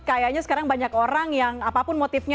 kayaknya sekarang banyak orang yang apapun motifnya